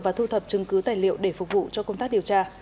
và thu thập chứng cứ tài liệu để phục vụ cho công tác điều tra